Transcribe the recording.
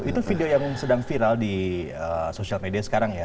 itu video yang sedang viral di sosial media sekarang ya